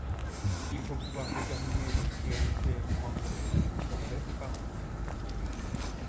Il faut pouvoir déterminer de priorité entre les régimes dont relèvent les parents.